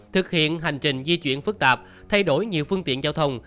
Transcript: thực hiện hành trình di chuyển phức tạp thay đổi nhiều phương tiện giao thông